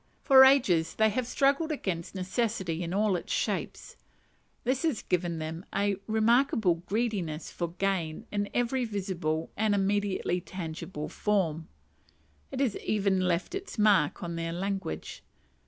For ages they have struggled against necessity in all its shapes. This has given to them a remarkable greediness for gain in every visible and immediately tangible form. It has even left its mark on their language.